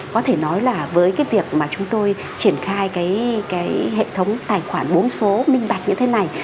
có thể nói là với cái việc mà chúng tôi triển khai cái hệ thống tài khoản bốn số minh bạch như thế này